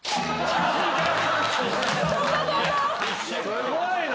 すごいな。